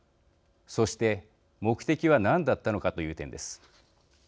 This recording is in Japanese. そして目的は何だったのかという点です。